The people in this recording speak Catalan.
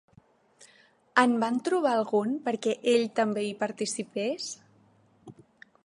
En van trobar algun perquè ell també hi participés?